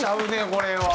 これは。